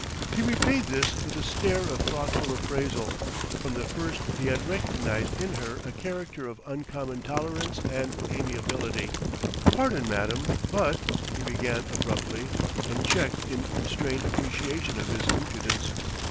He repaid this with a stare of thoughtful appraisal; from the first he had recognized in her a character of uncommon tolerance and amiability. "Pardon, madame, but " he began abruptly and checked in constrained appreciation of his impudence.